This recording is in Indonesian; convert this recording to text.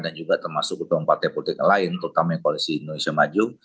dan juga termasuk keutama empat deputi lain terutama yang koalisi indonesia maju